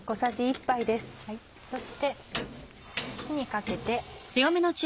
そして火にかけて。